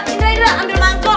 indra indra ambil mangkuk